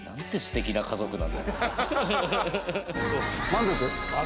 満足？